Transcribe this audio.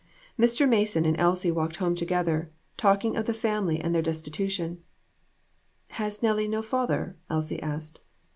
Mr. Mason and Elsie walked home together, talking of the family and their destitution. "Has Nellie no father?" Elsie asked.